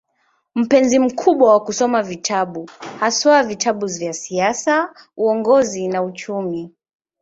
Mpenzi mkubwa wa kusoma vitabu, haswa vitabu vya siasa, uongozi na uchumi.